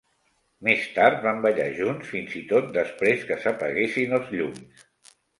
Més tard van ballar junts, fins i tot després que s'apaguessin els llums.